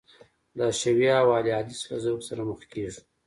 د حشویه او اهل حدیث له ذوق سره مخ کېږو.